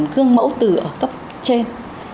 gương mẫu từ cấp trên